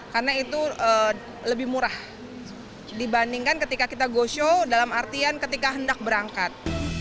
karena itu lebih murah dibandingkan ketika kita go show dalam artian ketika hendak berangkat